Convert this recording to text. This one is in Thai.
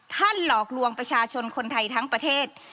หลอกลวงประชาชนคนไทยทั้งประเทศ